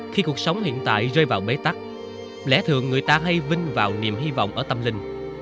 khi cuộc sống hiện tại rơi vào bế tắc lẽ thường người ta hay vinh vào niềm hy vọng ở tâm linh